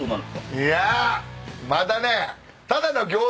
いやまたね。